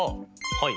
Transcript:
はい。